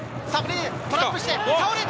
トラップして倒れた！